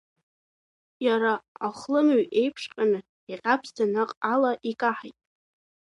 Иара ахлымҩ еиԥшҵәҟьаны иҟьаԥсӡа наҟ ала икаҳаит.